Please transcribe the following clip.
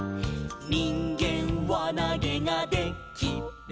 「にんげんわなげがで・き・る」